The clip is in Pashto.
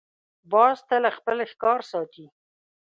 باز تل خپل ښکار ساتي